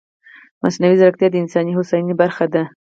مصنوعي ځیرکتیا د انساني هوساینې برخه ده.